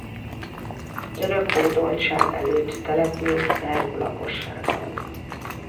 A török hódoltság előtt települt szerb lakossággal.